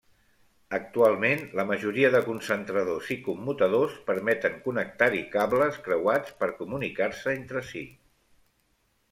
Actualment la majoria de concentradors i commutadors permeten connectar-hi cables creuats per comunicar-se entre si.